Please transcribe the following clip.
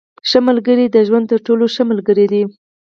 • ښه ملګری د ژوند تر ټولو ښه ملګری دی.